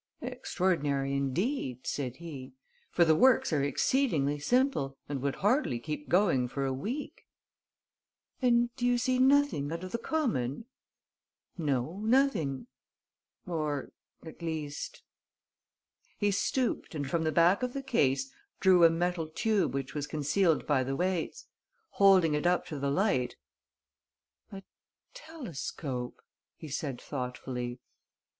"Extraordinary indeed," said he, "for the works are exceedingly simple and would hardly keep going for a week." "And do you see nothing out of the common?" "No, nothing ... or, at least...." He stooped and, from the back of the case, drew a metal tube which was concealed by the weights. Holding it up to the light: "A telescope," he said, thoughtfully.